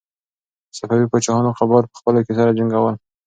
صفوي پاچاهانو قبایل په خپلو کې سره جنګول.